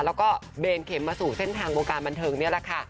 แล้วก็เบนเข็มมาสู่เส้นทางวงการบันเทิงนี่แหละค่ะ